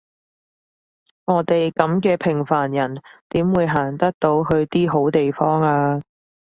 我哋噉嘅平凡人點會行得到去啲好地方呀？